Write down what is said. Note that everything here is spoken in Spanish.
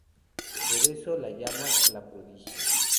Por eso la llaman "la pródiga".